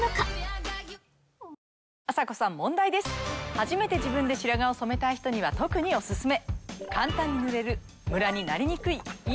初めて自分で白髪を染めたい人には特にオススメ！